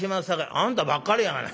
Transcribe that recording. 「あんたばっかりやがな！」。